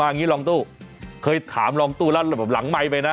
อย่างนี้รองตู้เคยถามรองตู้แล้วระบบหลังไมค์ไปนะ